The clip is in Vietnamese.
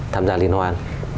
tham gia liên quan